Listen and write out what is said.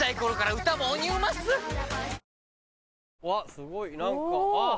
すごい何かあぁ。